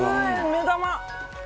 目玉！